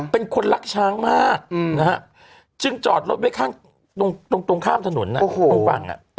เป็นคนรักช้างมากนะฮะจึงจอดรถไว้ข้างตรงข้ามถนนตรงฝั่ง